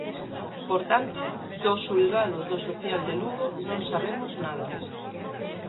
Por tanto, do Xulgado do Social de Lugo non sabemos nada.